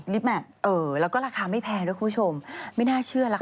แมทเออแล้วก็ราคาไม่แพงด้วยคุณผู้ชมไม่น่าเชื่อแล้วค่ะ